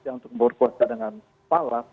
yang untuk membawa kuasa dengan palas